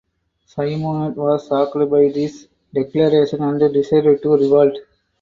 Simonet was shocked by this declaration and decided to revolt.